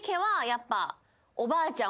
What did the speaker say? おばあちゃん